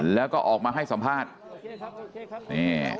แล้วก็ออกมาให้สัมภาษณ์นี่